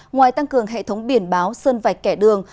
ngoài tăng cường hệ thống biển báo sơn vạch kẻ đường